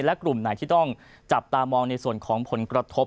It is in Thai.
และกลุ่มไหนที่ต้องจับตามองในส่วนของผลกระทบ